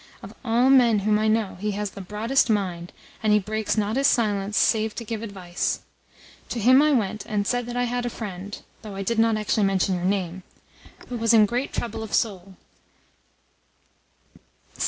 Of all men whom I know he has the broadest mind, and he breaks not his silence save to give advice. To him I went and said that I had a friend (though I did not actually mention your name) who was in great trouble of soul.